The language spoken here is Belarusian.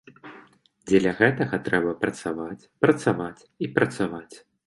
Дзеля гэтага трэба працаваць, працаваць і працаваць.